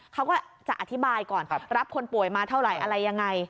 เขาก็จะอธิบายก่อนรับคนป่วยมาเท่าไหร่อะไรยังไง